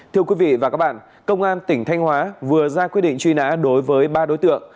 thưa quý vị và các bạn công an tỉnh thanh hóa vừa ra quyết định truy nã đối với ba đối tượng